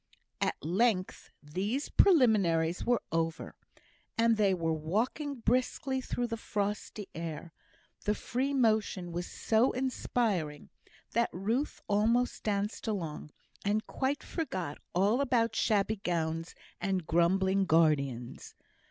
At length these preliminaries were over, and they were walking briskly through the frosty air; the free motion was so inspiriting that Ruth almost danced along, and quite forgot all about shabby gowns and grumbling guardians.